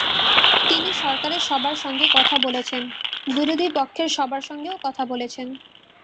তিনি সরকারের সবার সঙ্গে কথা বলেছেন, বিরোধী পক্ষের সবার সঙ্গেও কথা বলেছেন।